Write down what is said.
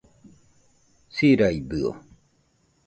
Siraidɨo